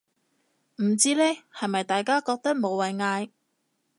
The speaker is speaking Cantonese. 唔知呢，係咪大家覺得無謂嗌